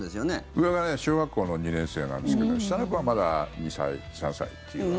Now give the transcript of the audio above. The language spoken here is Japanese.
上が小学校の２年生なんですけど下の子はまだ２歳、３歳。